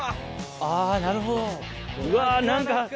あなるほど。